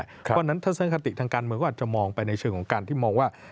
เพราะฉะนั้นทัศนคติทางการเมืองก็อาจจะมองไปในเชิงของการที่มองว่า